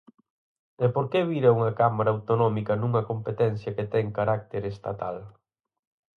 ¿E por que vir a unha Cámara autonómica nunha competencia que ten carácter estatal?